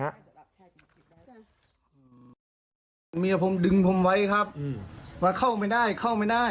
เมียผมดึงผมไว้ครับอืมว่าเข้าไม่ได้เข้าไม่ได้